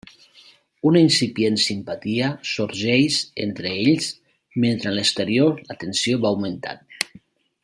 Una incipient simpatia sorgeix entre ells mentre en l'exterior la tensió va en augment.